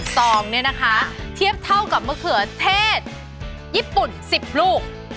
ซองเนี่ยนะคะเทียบเท่ากับมะเขือเทศญี่ปุ่น๑๐ลูก